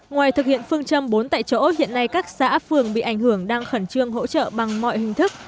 ngoài thực hiện phương châm bốn tại chỗ hiện nay các xã phường bị ảnh hưởng đang khẩn trương hỗ trợ bằng mọi hình thức